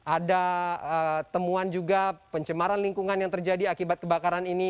ada temuan juga pencemaran lingkungan yang terjadi akibat kebakaran ini